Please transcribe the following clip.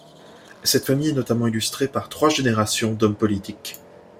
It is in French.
Cette famille est notamment illustrée par trois générations d'hommes politiques.